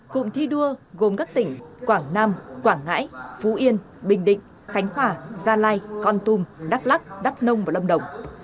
cụm thi đua gồm các tỉnh quảng nam quảng ngãi phú yên bình định khánh hòa gia lai con tum đắk lắc đắk nông và lâm đồng